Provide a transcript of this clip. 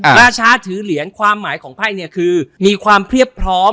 ราชาถือเหรียญความหมายของไพ่เนี่ยคือมีความเพียบพร้อม